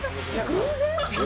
偶然。